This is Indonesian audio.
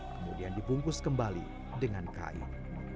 kemudian dibungkus kembali dengan kain